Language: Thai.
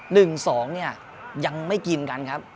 ๑๒เนี่ยยังไม่กินกันครับ